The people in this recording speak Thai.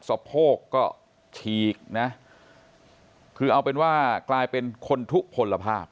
สะโพกก็ฉีกนะคือเอาเป็นว่ากลายเป็นคนทุกผลภาพ